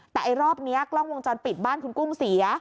แต่ไอ้รอบนี้กล้องวงจรปิดบ้านคุณกุ้งเสีย